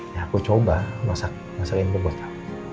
makanan yang aku suka